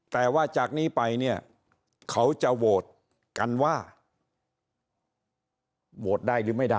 แต่ว่าจากนี้ไปเนี่ยเขาจะโหวตกันว่าโหวตได้หรือไม่ได้